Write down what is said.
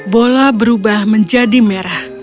bola berubah menjadi merah